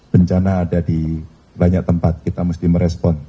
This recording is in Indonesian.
bencana ada di banyak tempat kita mesti merespon